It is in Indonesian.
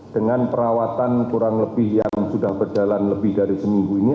dengan perawatan kurang lebih yang sudah berjalan lebih dari seminggu ini